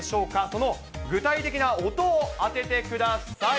その具体的な音を当ててください。